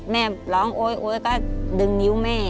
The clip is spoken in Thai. แม่ร้องโอ๊ยก็ดึงนิ้วแม่